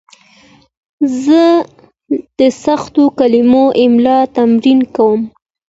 زه د سختو کلمو املا تمرین کوم.